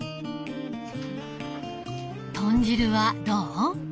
豚汁はどう？